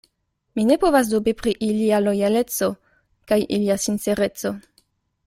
Mi ne povas dubi pri ilia lojaleco kaj ilia sincereco.